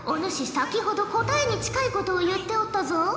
先ほど答えに近いことを言っておったぞ。